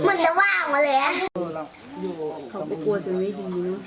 เขาไม่กลัวจะไม่ดีเนอะ